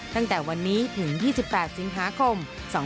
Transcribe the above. ตั้งแต่วันนี้ถึง๒๘สิงหาคม๒๕๖๒